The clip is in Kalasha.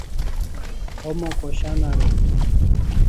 Homa khoshan araw